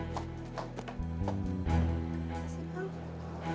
tapi despues kita sizi jalan loja mending